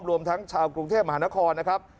รวมทั้งชาวกรุงเทพมหานครนะครับ